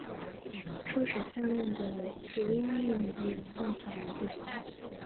初始向量的值依密码演算法而不同。